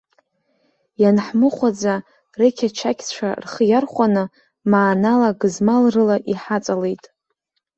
Ианҳмыхәаӡа, рықьачақьцәа рхы иархәаны, маанала, гызмалрыла иҳаҵалеит.